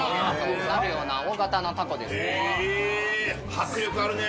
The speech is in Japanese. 迫力あるね。